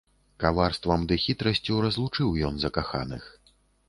Каварствам ды хітрасцю разлучыў ён закаханых.